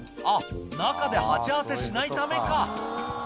あっ中で鉢合わせしないためか